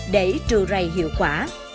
để trừ rầy hiệu quả